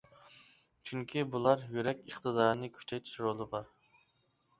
چۈنكى بۇلار يۈرەك ئىقتىدارىنى كۈچەيتىش رولى بار.